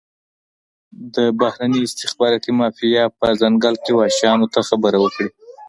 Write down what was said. د بهرني استخباراتي مافیا په ځنګل کې وحشیانو ته خبره وکړي.